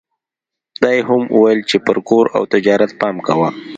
دا يې هم وويل چې پر کور او تجارت پام کوه.